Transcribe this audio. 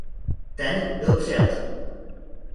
Ten byl přijat.